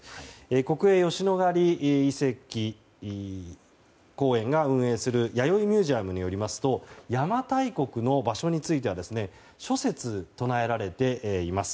国営吉野ヶ里歴史公園が運営する弥生ミュージアムによりますと邪馬台国の場所については諸説唱えられています。